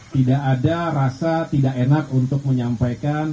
tidak ada rasa tidak enak untuk menyampaikan